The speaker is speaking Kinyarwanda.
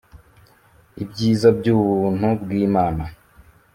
ibyiza by'ubuntu bw'imana